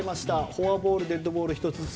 フォアボール、デッドボールが１つずつ。